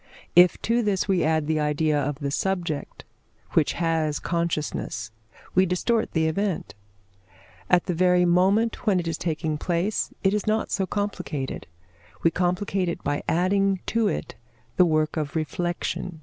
If to this we add the idea of the subject, which has consciousness, we distort the event. At the very moment when it is taking place, it is not so complicated; we complicate it by adding to it the work of reflection.